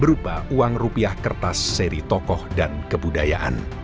berupa uang rupiah kertas seri tokoh dan kebudayaan